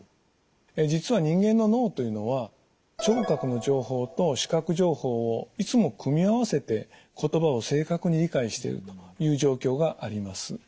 実は人間の脳というのは聴覚の情報と視覚情報をいつも組み合わせて言葉を正確に理解しているという状況があります。